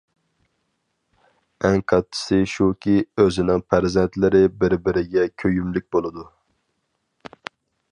ئەڭ كاتتىسى شۇكى، ئۆزىنىڭ پەرزەنتلىرى بىر-بىرىگە كۆيۈملۈك بولىدۇ.